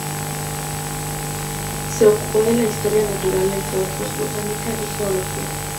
Se ocupó de la historia natural, entre otros botánica y geología.